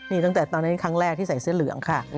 นี่ตั้งแต่ตอนนั้นครั้งแรกที่ใส่เสื้อเหลืองค่ะ